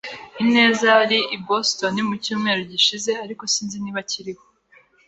Ineza yari i Boston mu cyumweru gishize, ariko sinzi niba akiriho.